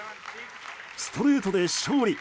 ストレートで勝利。